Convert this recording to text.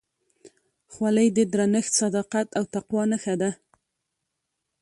خولۍ د درنښت، صداقت او تقوا نښه ده.